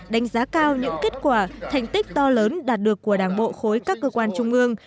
đánh giá cao những kết quả thành tích to lớn đạt được của đảng bộ khối các cơ quan trung ương